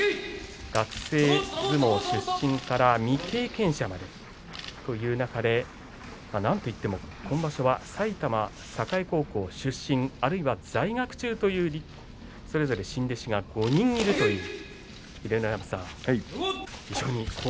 学生相撲出身から未経験者という中で、なんといっても今場所は埼玉栄高校出身あるいは在学中という新弟子が５人いるという。